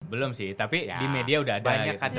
belum sih tapi di media udah adanya